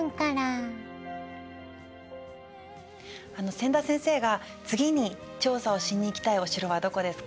千田先生が次に調査をしに行きたいお城はどこですか？